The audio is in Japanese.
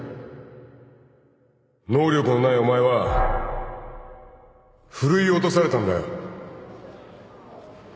能力のないお前はふるい落とされたんだよ